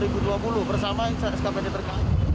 bersama skpd terkait